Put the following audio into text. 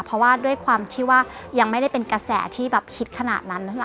เพราะว่าด้วยความที่ว่ายังไม่ได้เป็นกระแสที่แบบคิดขนาดนั้นนะคะ